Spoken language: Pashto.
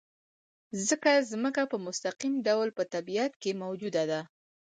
ځکه ځمکه په مستقیم ډول په طبیعت کې موجوده ده.